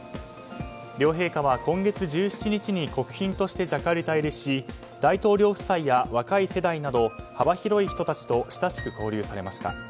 両陛下は今月１７日に国賓としてジャカルタ入りし大統領夫妻や若い世代など幅広い人たちと親しく交流されました。